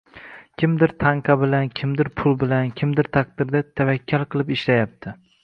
Kimdir tanka bilan, kimdir pul bilan, kimdir taqdirga tavakkal qilib ishlayapti.